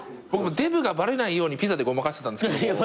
僕デブがバレないようにピザでごまかしてたんですけども。